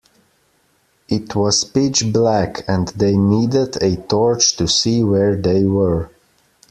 It was pitch black, and they needed a torch to see where they were